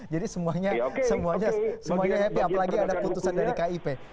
jadi semuanya semuanya semuanya happy apalagi ada keputusan dari kip